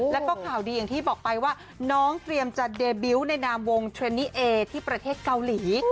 แล้วก็ข่าวดีอย่างที่บอกไปว่าน้องเตรียมจะเดบิวต์ในนามวงเทรนนี่เอที่ประเทศเกาหลี